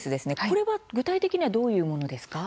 これは具体的にはどういうものですか？